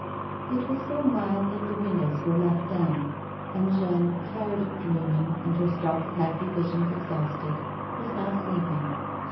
It was so mild that the windows were left down, and Jeanne, tired of dreaming, and her stock of happy visions exhausted, was now sleeping.